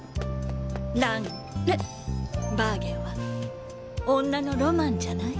蘭バーゲンは女のロマンじゃない？